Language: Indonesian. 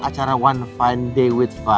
aku rekam dia